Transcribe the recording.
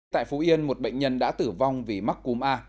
tại phú yên một bệnh nhân đã tử vong vì mắc cúm a